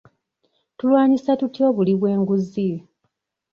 Tulwanyisa tutya obuli bw'enguzi?